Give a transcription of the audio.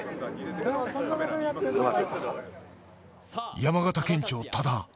山形県庁、多田。